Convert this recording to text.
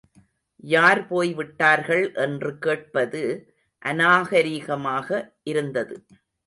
யார் போய்விட்டார்கள் என்று கேட்பது அநாகரிகமாக இருந்தது.